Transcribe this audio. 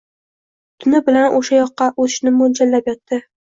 Tuni bilan o‘sha yoqqa o‘tishni mo‘ljallab yotdi